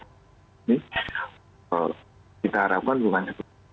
ini kita harapkan bukan seperti itu